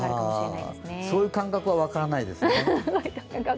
そういう感覚は分からないですね。